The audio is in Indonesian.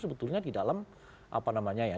sebetulnya di dalam apa namanya ya